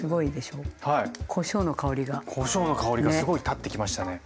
こしょうの香りがすごいたってきましたね。